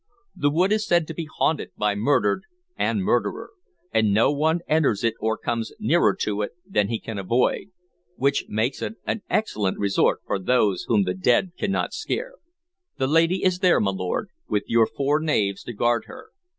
The wood is said to be haunted by murdered and murderer, and no one enters it or comes nearer to it than he can avoid: which makes it an excellent resort for those whom the dead cannot scare. The lady is there, my lord, with your four knaves to guard her.